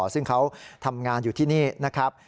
ซึ่งเขาทำงานอยู่ที่นี่นะครับ